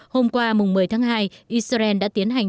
hôm qua một mươi tháng hai israel đã tiến hành